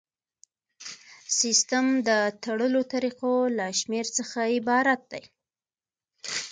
سیسټم د تړلو طریقو له شمیر څخه عبارت دی.